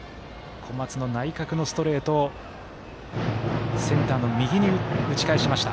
小松の内角のストレートをセンターの右に打ち返しました。